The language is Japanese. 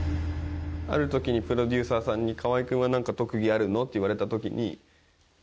ある時にプロデューサーさんに「河合君は何か特技あるの？」って言われた時に。